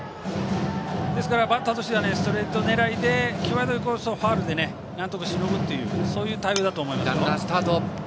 バッターとしてはストレート狙いで際どいコースをファウルでなんとかしのぐということだと思います。